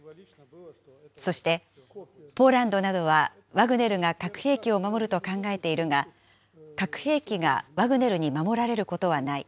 そして、ポーランドなどは、ワグネルが核兵器を守ると考えているが、核兵器がワグネルに守られることはない。